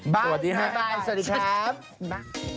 บ๊ายบายสวัสดีครับ